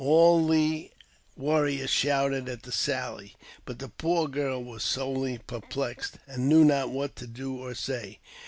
' All the warriors shouted at the sally ; but the poor girl was sorely perplexed, and knew not what to do or say.